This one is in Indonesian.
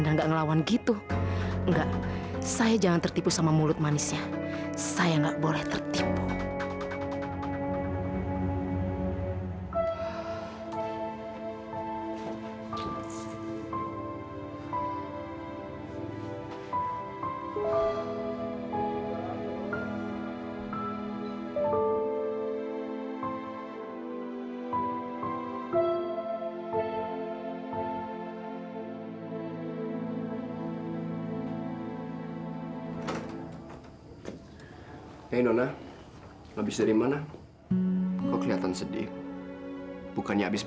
bagaimana kalau sampai bapak tahu